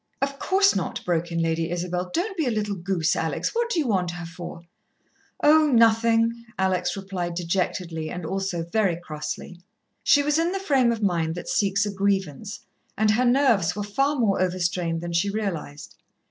"Of course not," broke in Lady Isabel. "Don't be a little goose, Alex. What do you want her for?" "Oh, nothing," Alex replied dejectedly, and also very crossly. She was in the frame of mind that seeks a grievance, and her nerves were far more overstrained than she realized.